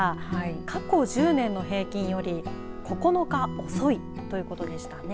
過去１０年の平均より９日遅いということでしたね。